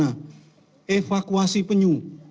nah evakuasi penyu